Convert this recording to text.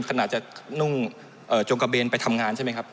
ขนาดจะนุ่งจงกระเบนไปทำงานใช่ไหมครับ